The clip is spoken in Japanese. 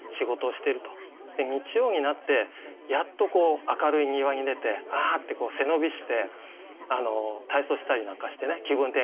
日曜になってやっとこう明るい庭に出て「あ」って背伸びして体操したりなんかしてね気分転換してると。